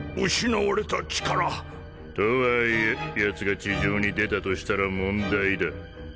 とはいえやつが地上に出たとしたら問題だ。